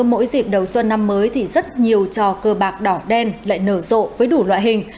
mỗi dịp đầu xuân năm mới thì rất nhiều trò cờ bạc đỏ đen lại nở rộ với đủ loại hình